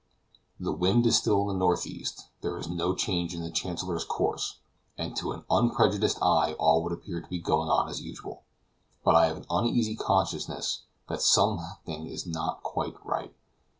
The wind is still in the northeast. There is no change in the Chancellor's course, and to an unprejudiced eye all would appear to be going on as usual. But I have an uneasy consciousness that something is not quite right.